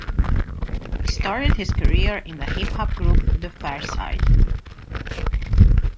He started his career in the hip hop group The Pharcyde.